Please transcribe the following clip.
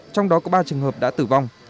trong đó có ba trường hợp đã tử vong